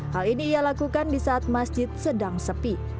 hal ini ia lakukan di saat masjid sedang sepi